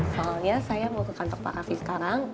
soalnya saya mau ke kantor pak raffi sekarang